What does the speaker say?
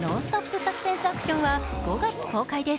・サスペンス・アクションは５月公開です。